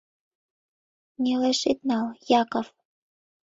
— Нелеш ит нал, Яков...